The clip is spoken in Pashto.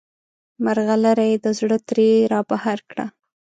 مرغلره یې د زړه ترې رابهر کړه.